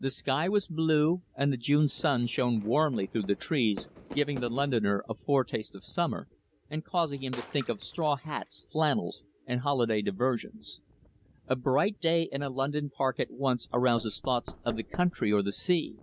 The sky was blue, and the June sun shone warmly through the trees, giving the Londoner a foretaste of summer, and causing him to think of straw hats, flannels and holiday diversions. A bright day in a London park at once arouses thoughts of the country or the sea.